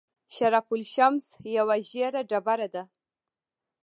شرف الشمس یوه ژیړه ډبره ده.